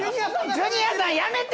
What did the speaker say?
ジュニアさんやめて！